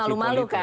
masih malu malu kan